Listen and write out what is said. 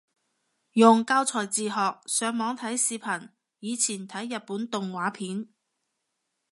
用教材自學，上網睇視頻，以前睇日本動畫片